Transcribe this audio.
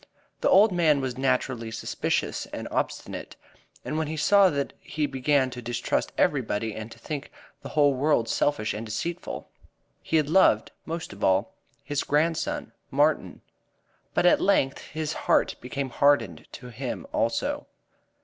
The old man was naturally suspicious and obstinate, and when he saw this he began to distrust everybody and to think the whole world selfish and deceitful. He had loved most of all his grandson, Martin, but at length his heart became hardened to him also.